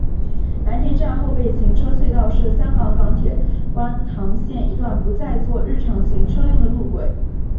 蓝田站后备行车隧道是香港港铁观塘线一段不再作日常行车用的路轨。